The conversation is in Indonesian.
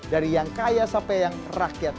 dari yang kaya sampai yang rakyat